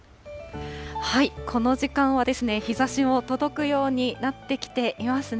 この時間は、日ざしも届くようになってきていますね。